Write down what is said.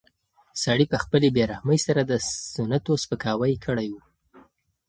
سړي په خپلې بې رحمۍ سره د سنتو سپکاوی کړی و.